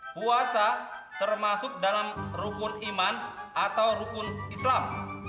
puasa termasuk dalam rukun iman atau rukun islam